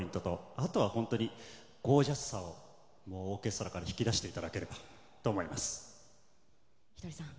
あとは、ゴージャスさをオーケストラから引き出していただければとひとりさん。。